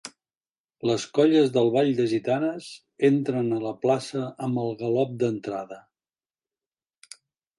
Les colles del Ball de Gitanes entren a la plaça amb el galop d'entrada.